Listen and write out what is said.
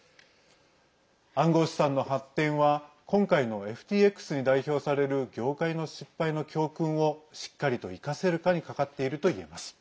暗号資産の発展は今回のＦＴＸに代表される業界の失敗の教訓をしっかりと生かせるかにかかっているといえます。